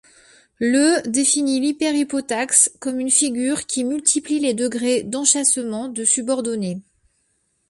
Le définit l’hyperhypotaxe comme une figure qui multiplie les degrés d’enchâssements de subordonnées.